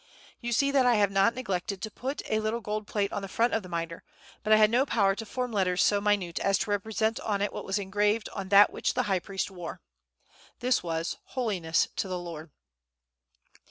You see that I have not neglected to put a little gold plate on the front of the mitre; but I had no power to form letters so minute as to represent on it what was engraved on that which the high priest wore. This was 'HOLINESS TO THE LORD.